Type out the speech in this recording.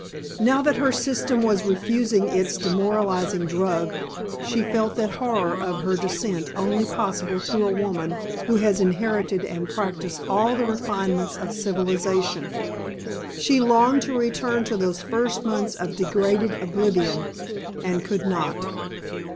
Now that her system was refusing its demoralizing drug she felt that horror of her descent only possible to a woman who has inherited and practised all the refinements of civilization. She longed to return to those first months of degraded oblivion, and could not!